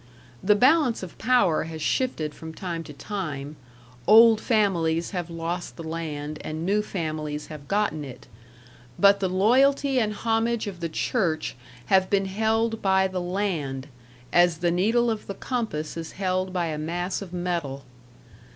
The balance of power has shifted from time to time; old families have lost the land and new families have gotten it; but the loyalty and homage of the church have been held by the land, as the needle of the compass is held by a mass of metal.